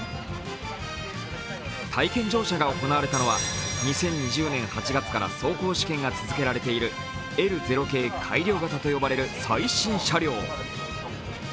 体験乗車が行われたのは２０２０年８月から走行試験が続けられているＬ０系改良型と呼ばれる最新車両。